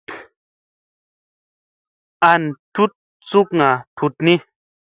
An tut sukŋa tut ni.